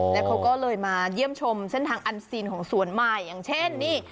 แล้วเขาก็เลยมาเยี่ยมชมเส้นทางอันซีนของสวนใหม่อย่างเช่นนี่